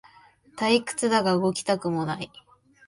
退屈だが動きたくもない